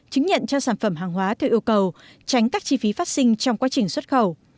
chứng nhận cho sản phẩm hàng hóa theo yêu cầu tránh các chi phí phát sinh trong quá trình xuất khẩu